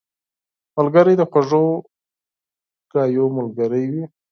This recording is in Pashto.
ملګری د خوږو خبرو ملګری وي